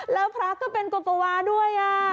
แล้วพระเขาเป็นกลัวกวาด้วย